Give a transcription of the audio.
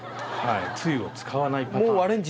つゆを使わないパターン。